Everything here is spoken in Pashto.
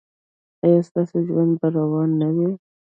ایا ستاسو ژوند به روان نه وي؟